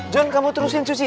jun kamu terusin cuci ya